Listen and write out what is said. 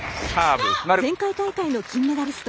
前回大会の金メダリスト